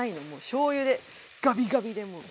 しょうゆでガビガビでもう。